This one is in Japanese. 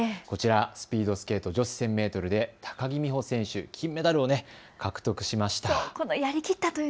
こちらスピードスケート女子１０００メートルで高木美帆選手、金メダルを獲得しました。